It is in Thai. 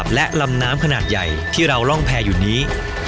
เป็นจัดการปิดกันน้ำขนาดใหญ่ที่เราร่องแพ้อยู่นี้